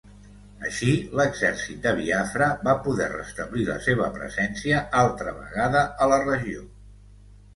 Així, l'exèrcit de Biafra va poder restablir la seva presència altra vegada a la regió.